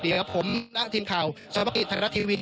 เดี๋ยวครับผมและทีมข่าวช่วงประกิจธรรมดาทีวี